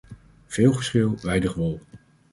Veel geschreeuw, weinig wol.